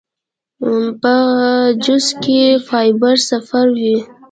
پۀ جوس کښې فائبر صفر وي